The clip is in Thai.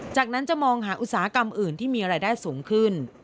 จากนั้นจะมองหาอุตสาหกรรมอื่นที่มีรายได้สูงขึ้น